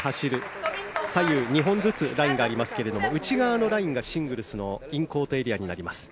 左右２本ずつラインがありますが内側のラインがシングルスのインコートエリアになります。